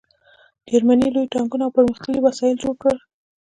جرمني لوی ټانکونه او پرمختللي وسایل جوړ کړل